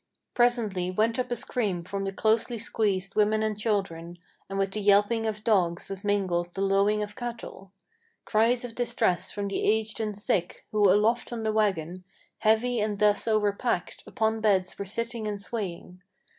Presently went up a scream from the closely squeezed women and children, And with the yelping of dogs was mingled the lowing of cattle, Cries of distress from the aged and sick, who aloft on the wagon, Heavy and thus overpacked, upon beds were sitting and swaying.